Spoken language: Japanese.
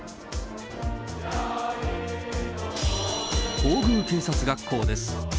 皇宮警察学校です。